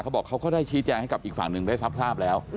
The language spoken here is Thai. บอกเขาก็ได้ชี้แจงให้กับอีกฝั่งหนึ่งได้ซับทราบแล้ว